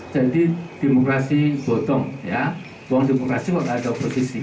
jadi demokrasi botong ya bohong demokrasi kalau ada oposisi